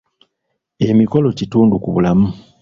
Emikolo kitundu ku bulamu.